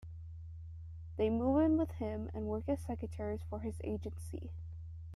They move in with him and work as secretaries for his agency.